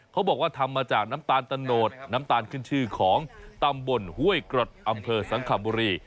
เขาบอกว่าทำมาจากน้ำตาลตะโนดน้ำตาลขึ้นชื่อของตำบลห้วยกรดอำเภอสังขบุรี